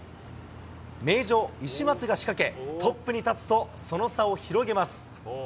名城、石松が仕掛け、トップに立つと、その差を広げます。